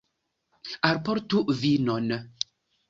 Alportu vinon!